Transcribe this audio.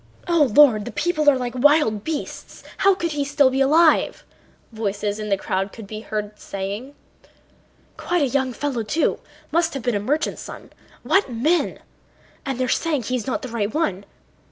"O Lord! The people are like wild beasts! How could he be alive?" voices in the crowd could be heard saying. "Quite a young fellow too... must have been a merchant's son. What men!... and they say he's not the right one....